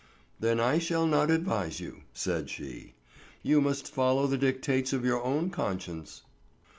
"Then I shall not advise you," said she. "You must follow the dictates of your own conscience."